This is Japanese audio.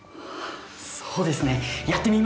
そうですねやってみます！